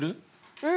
うん。